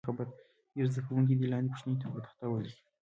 یو زده کوونکی دې لاندې پوښتنې پر تخته ولیکي.